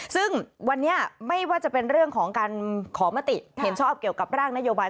ซึ่งวันนี้ไม่ว่าจะเป็นเรื่องของการขอมติเห็นชอบเกี่ยวกับร่างนโยบาย